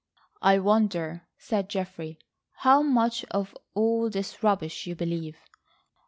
"I wonder," said Geoffrey, "how much of all this rubbish you believe?"